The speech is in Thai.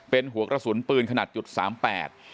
เป็นหัวรสุนปืนขนาด๓๘